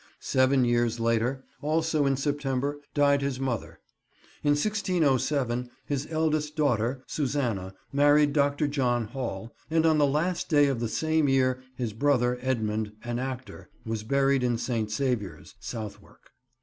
Seven years later, also in September, died his mother. In 1607, his eldest daughter, Susanna, married Dr. John Hall, and on the last day of the same year his brother Edmund, an actor, was buried in St. Saviour's, Southwark.